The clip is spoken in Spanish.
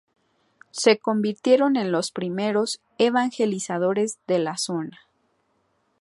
Se convirtieron en los primeros evangelizadores de la zona.